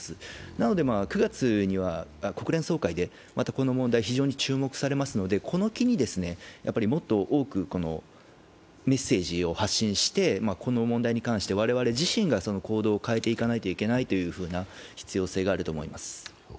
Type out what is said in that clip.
なので９月には国連総会でこの問題、非常に注目されますので、この機にもっと多くメッセージを発信してこの問題に関して我々自身が行動を変えていかないといけないという必要性があると思います。